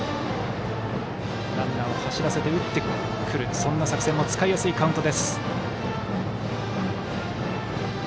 ランナーを走らせて打ってくるそんな作戦も使いやすいカウント。